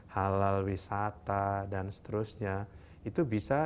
halal wisata dan seterusnya itu bisa